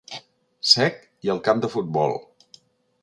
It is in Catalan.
Sec i al camp de futbol.